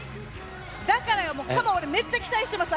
だから、カモン、めっちゃ期待しています。